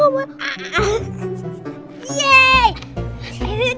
oh aneh banget